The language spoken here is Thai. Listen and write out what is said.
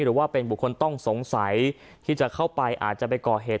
หรือว่าเป็นบุคคลต้องสงสัยที่จะเข้าไปอาจจะไปก่อเหตุ